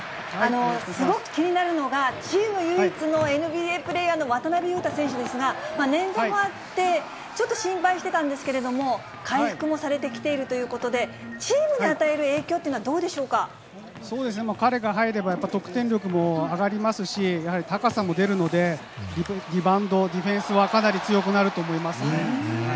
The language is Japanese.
すごく気になるのが、チーム唯一のＮＢＡプレーヤーの渡邊雄太選手ですが、捻挫もあって、ちょっと心配してたんですけれども、回復もされてきているということで、チームに与える影響というのそうですね、彼が入ればやっぱ、得点力も上がりますし、やはり高さも出るので、リバウンド、ディフェンスはかなり強くなると思いますね。